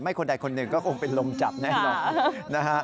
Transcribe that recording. ไม่คุณใดคนหนึ่งก็คงเป็นลมจับแน่หรอก